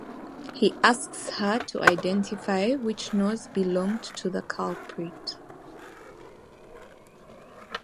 He asks her to identify which nose belonged to the culprit.